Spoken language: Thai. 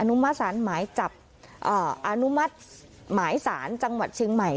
อนุมัตรสารหมายสารจังหวัดชิงไหม